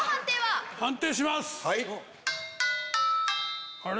判定します！